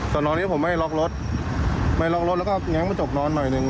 ตอนนอนนี้ผมไม่ให้ล็อกรถผมจกนอนหน่อยหนึ่ง